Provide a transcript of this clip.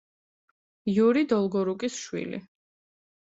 იური დოლგორუკის შვილი.